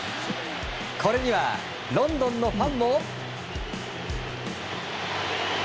これにはロンドンのファンも。